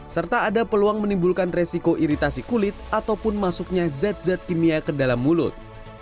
serta ada peluang menimbulkan resiko iritasi kulit ataupun masuknya zat zat kimia ke dalam mulut